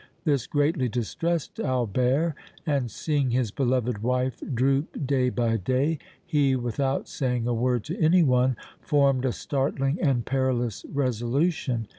This greatly distressed Albert and, seeing his beloved wife droop day by day, he, without saying a word to any one, formed a startling and perilous resolution.